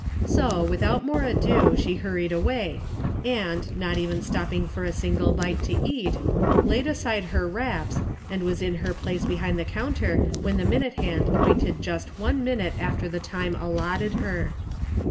So, without more ado, she hurried away, and, not even stopping for a single bite to eat, laid aside her wraps and was in her place behind the counter when the minute hand pointed just one minute after the time allotted her.